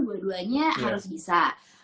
dua duanya harus bisa